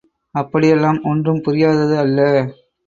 அப்படியெல்லாம் ஒன்றும் புரியாதது அல்ல.